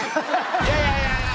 いやいやいやいや！